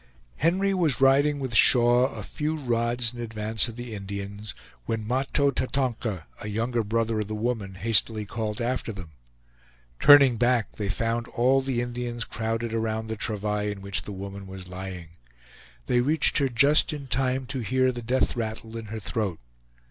Henry was riding with Shaw a few rods in advance of the Indians, when Mahto Tatonka, a younger brother of the woman, hastily called after them. Turning back, they found all the Indians crowded around the travail in which the woman was lying. They reached her just in time to hear the death rattle in her throat.